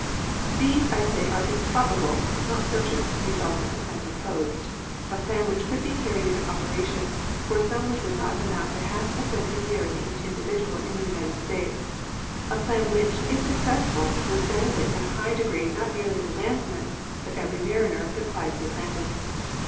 These, I say, are the probable—not certain—results of the plan proposed—a plan which could be carried into operation for a sum which would not amount to half a cent a year to each individual in the United States ; a plan which, if successful, would benefit in a high degree not merely the landsman, but every mariner that plies the Atlantic.